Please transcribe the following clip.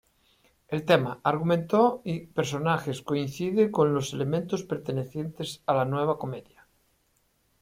El tema, argumento y personajes coincide con los elementos pertenecientes a la nueva comedia.